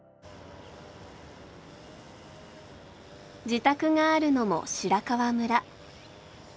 自宅があるのも白川村。